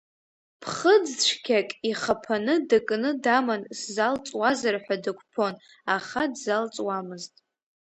Ԥхыӡ цәгьак ихаԥаны дыкны даман сзалҵуазар ҳәа дықәԥон, аха дзалҵуамызт.